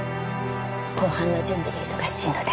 公判の準備で忙しいので。